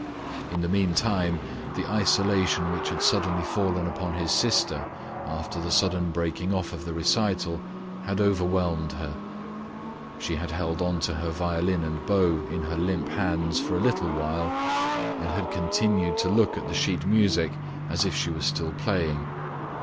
In the meantime, the isolation which had suddenly fallen upon his sister after the sudden breaking off of the recital had overwhelmed her. She had held onto the violin and bow in her limp hands for a little while and had continued to look at the sheet music as if she was still playing.